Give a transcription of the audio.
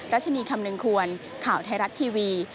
รัชนีคำนึงควรข่าวไทยรัฐทีวี